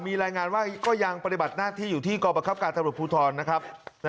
มีรายงานว่าก็ยังปฏิบัติหน้าที่อยู่ที่กรประคับการตำรวจภูทรนะครับ